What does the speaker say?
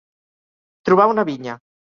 Trobar una vinya.